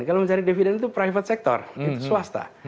kalau mencari dividen itu private sector swasta